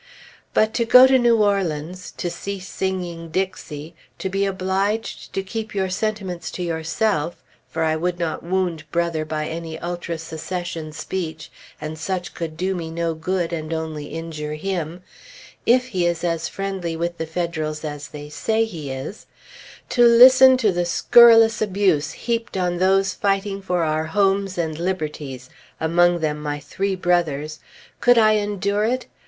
But to go to New Orleans; to cease singing "Dixie"; to be obliged to keep your sentiments to yourself for I would not wound Brother by any Ultra Secession speech, and such could do me no good and only injure him if he is as friendly with the Federals as they say he is; to listen to the scurrilous abuse heaped on those fighting for our homes and liberties, among them my three brothers could I endure it?